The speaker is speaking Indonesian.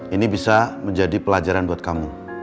ini bisa menjadi pelajaran buat kamu